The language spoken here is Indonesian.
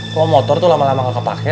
kalau motor tuh lama lama nggak kepake